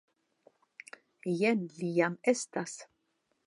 Jen li jam estas.